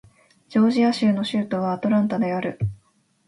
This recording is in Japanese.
ジョージア州の州都はアトランタである